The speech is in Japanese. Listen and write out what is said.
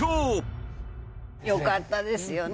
よかったですよね